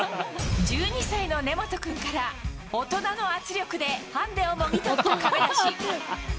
１２歳の根本君から、大人の圧力で、ハンデをもぎ取った亀梨。